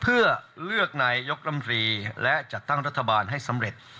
เพื่อเลือกนายยกรมรีและจัดตั้งรัฐบาลให้สำเร็จ